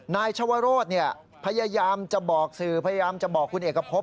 นายชวโรธพยายามจะบอกสื่อพยายามจะบอกคุณเอกพบ